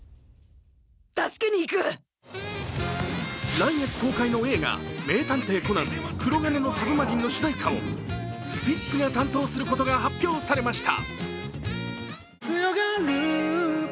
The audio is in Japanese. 来月公開の映画「名探偵コナン黒鉄の魚影」の主題歌をスピッツが担当することが発表されました。